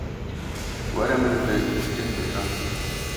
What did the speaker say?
Were min bi cih bike.